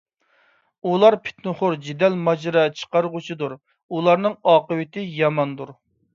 ئۇلار پىتنىخور، جېدەل - ماجىرا چىقارغۇچىدۇر. ئۇلارنىڭ ئاقىۋىتى ياماندۇر.